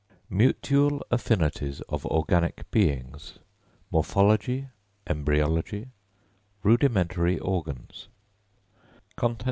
MUTUAL AFFINITIES OF ORGANIC BEINGS: MORPHOLOGY: EMBRYOLOGY: RUDIMENTARY ORGANS.